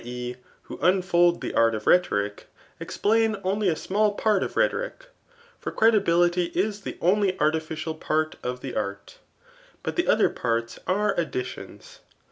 e, who unfoU the art of rhetoric,] ez|dai& only a small part of rhetoric For credibility is the only artificial part of the art ; but the other parts are addi tions.